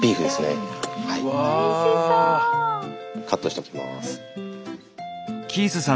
カットしていきます。